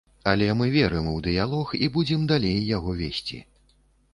Але мы верым у дыялог і будзем далей яго весці.